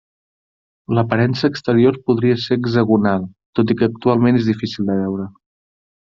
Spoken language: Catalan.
L'aparença exterior podria ser hexagonal, tot i que actualment és difícil de veure.